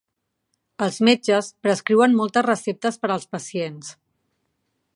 Els metges prescriuen moltes receptes per als pacients.